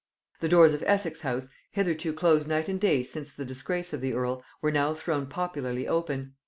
The doors of Essex house, hitherto closed night and day since the disgrace of the earl, were now thrown popularly open.